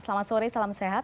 selamat sore salam sehat